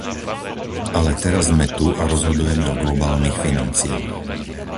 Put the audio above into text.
Ale teraz sme tu a rozhodujeme o globálnych financiách.